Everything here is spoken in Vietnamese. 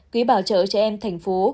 quý bảo trợ trẻ em thành phố